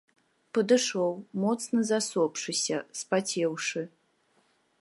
Падышоў, моцна засопшыся, спацеўшы.